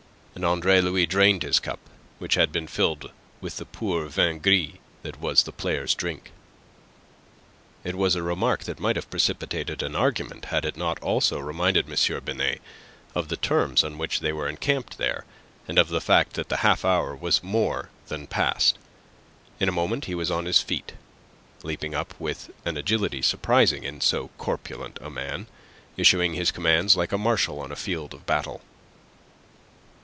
And Andre Louis drained his cup, which had been filled with the poor vin gris that was the players' drink. It was a remark that might have precipitated an argument had it not also reminded M. Binet of the terms on which they were encamped there, and of the fact that the half hour was more than past. In a moment he was on his feet, leaping up with an agility surprising in so corpulent a man, issuing his commands like a marshal on a field of battle.